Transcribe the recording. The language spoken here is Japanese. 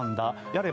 やれ